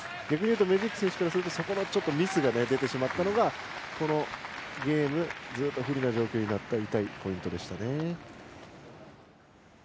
メジーク選手からするとそこのミスが出てしまったのがこのゲームずっと不利な状態になった痛いポイントでしたね。